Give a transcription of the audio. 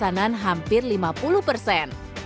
jumlah pesanan hampir lima puluh persen